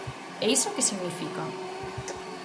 E iso que significa?